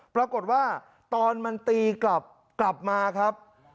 ปรากฏว่าตอนมันตีกลับกลับมาครับ